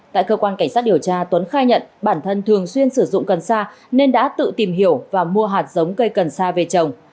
tại cơ quan cảnh sát điều tra tuấn khai nhận bản thân thường xuyên sử dụng cần sa nên đã tự tìm hiểu và mua hạt giống cây cần sa về trồng